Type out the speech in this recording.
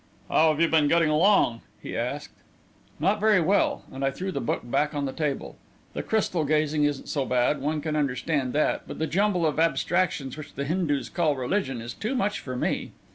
"How have you been getting along?" he asked. "Not very well," and I threw the book back on the table. "The crystal gazing isn't so bad one can understand that; but the jumble of abstractions which the Hindus call religion is too much for me.